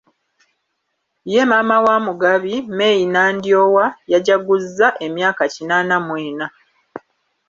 Ye maama wa Mugabi, Meyi Nandyowa yajaguzza emyaka kinaanan mu ena